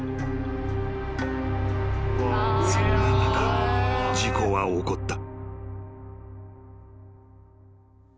［そんな中事故は起こった］